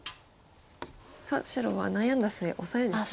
さあ白は悩んだ末オサエですね。